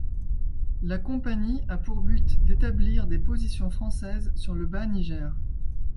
La Compagnie a pour but d'établir des positions françaises sur le bas Niger.